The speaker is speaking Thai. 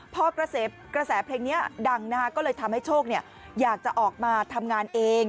พอกระแสเพลงนี้ดังก็เลยทำให้โชคอยากจะออกมาทำงานเอง